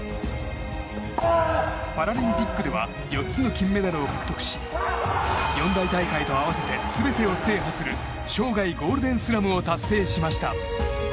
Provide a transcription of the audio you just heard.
パラリンピックでは４つの金メダルを獲得し四大大会と合わせて全てを制覇する生涯ゴールデンスラムを達成しました。